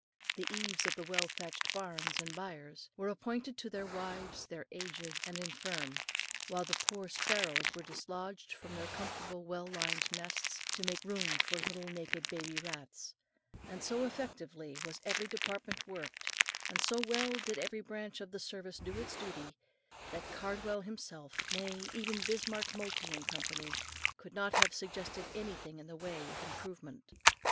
The eaves of the well thatched barns and byres were apportioned to their wives, their aged, and infirm, while the poor sparrows were dislodged from their comfortable, well lined nests to make room for little naked baby rats; and so effectually was every department worked, and so well did every branch of the service do its duty, that Cardwell himself, nay, even Bismarck, Moltke & Co., could not have suggested anything in the way of improvement.